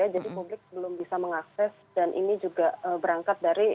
jadi publik belum bisa mengakses dan ini juga berangkat dari